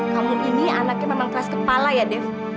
kamu ini anaknya memang kelas kepala ya dev